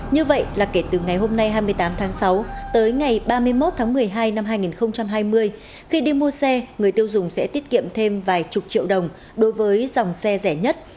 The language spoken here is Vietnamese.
như vậy là kể từ ngày hôm nay hai mươi tám tháng sáu tới ngày ba mươi một tháng một mươi hai năm hai nghìn hai mươi khi đi mua xe người tiêu dùng sẽ tiết kiệm thêm vài chục triệu đồng đối với dòng xe rẻ nhất